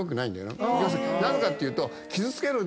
なぜかっていうと。